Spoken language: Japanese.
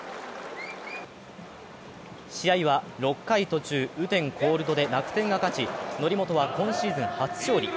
試合は６回途中、雨天コールドで楽天が勝ち則本は今シーズン初勝利。